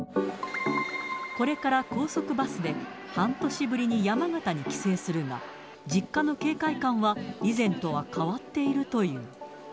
これから高速バスで、半年ぶりに山形に帰省するが、実家の警戒感は以前とは変わっているという。